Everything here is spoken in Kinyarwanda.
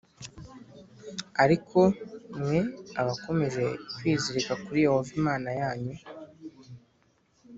Ariko mwe abakomeje kwizirika kuri Yehova Imana yanyu,